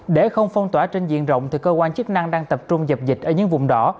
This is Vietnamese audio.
để không phong tỏa trên diện rộng thì cơ quan chức năng đang tập trung dập dịch ở những vùng đỏ